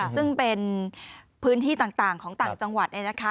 ซึ่งเป็นพื้นที่ต่างของต่างจังหวัด